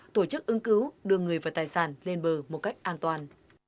tổ chức ứng cứu đưa người và tài sản lên bờ một cách an toàn